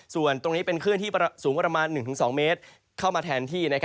ส่วนตรงนี้เป็นคลื่นที่สูงประมาณ๑๒เมตรเข้ามาแทนที่